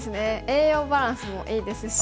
栄養バランスもいいですし。